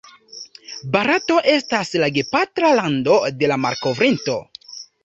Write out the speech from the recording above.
Barato estas la gepatra lando de la malkovrinto.